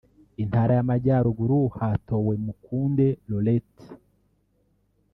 Intara y’Amajyaruguru hatowe Mukunde Laurette